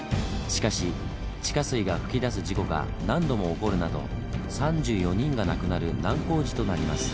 しかし地下水が噴き出す事故が何度も起こるなど３４人が亡くなる難工事となります。